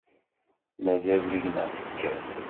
Mazal deg-neɣ tekkat.